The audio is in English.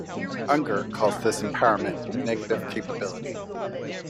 Unger calls this empowerment negative capability.